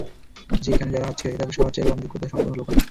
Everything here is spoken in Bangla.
জ্বি, এখানে যারা আছে তাদের সবার চেয়ে কম যোগ্যতা সম্পন্ন লোক আমি।